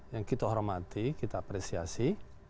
yang kita hormati kita apresiasi